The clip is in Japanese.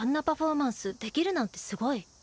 パフォーマンスできるなんてすごい。